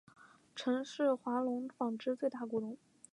曾是华隆纺织最大股东。